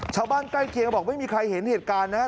ชาวบ้านใกล้เคียงก็บอกไม่มีใครเห็นเหตุการณ์นะฮะ